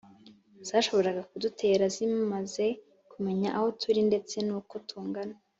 zashoboraga kudutera zimaze kumenya aho turi ndetse n'uko tungana